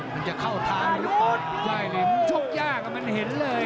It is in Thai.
มันจะเข้าทางนุ่นใจเรียมคุณชกยากนะมันเห็นเลยอ่ะ